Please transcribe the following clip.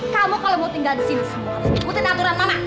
kamu kalau mau tinggal di sini ikutin aturan mana